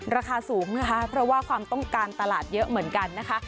ราคาสูงนะคะเพราะว่าความต้องการตลาดเยอะเหมือนกันนะคะ